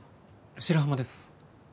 白浜です